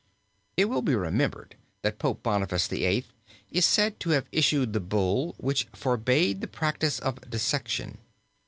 It will be remembered that Pope Boniface VIII. is said to have issued the Bull which forbade the practise of dissection.